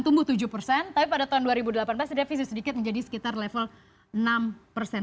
tapi pada tahun dua ribu delapan belas se devisi sedikit menjadi sekitar level negatif